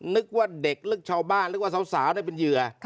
นึกว่าเด็กนึกชาวบ้านนึกว่าสาวได้ไปเจือ